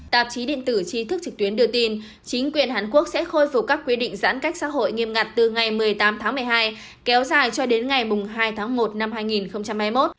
tạp chí điện tử trí thức trực tuyến đưa tin chính quyền hàn quốc sẽ khôi phục các quy định giãn cách xã hội nghiêm ngặt từ ngày một mươi tám tháng một mươi hai kéo dài cho đến ngày hai tháng một năm hai nghìn hai mươi một